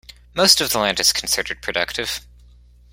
Most of the land is considered productive.